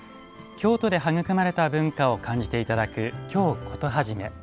京都で育まれた文化を感じていただく「京コトはじめ」。